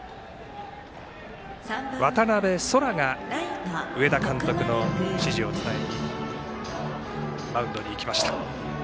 渡部奏楽が上田監督の指示を伝えにマウンドにいきました。